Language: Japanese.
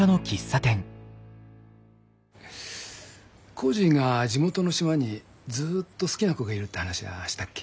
コージーが地元の島にずっと好きな子がいるって話はしたっけ？